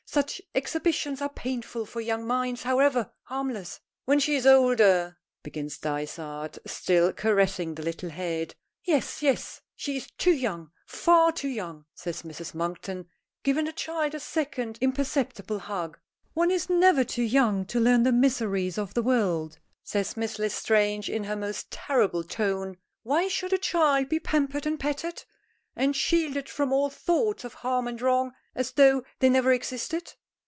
"Such exhibitions are painful for young minds, however harmless." "When she is older " begins Dysart, still caressing the little head. "Yes, yes she is too young far too young," says Mrs. Monkton, giving the child a second imperceptible hug. "One is never too young to learn the miseries of the world," says Miss L'Estrange, in her most terrible tone. "Why should a child be pampered and petted, and shielded from all thoughts of harm and wrong, as though they never existed?